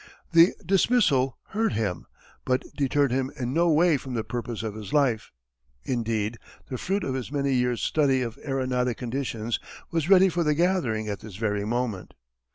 The dismissal hurt him, but deterred him in no way from the purpose of his life. Indeed the fruit of his many years' study of aeronautic conditions was ready for the gathering at this very moment.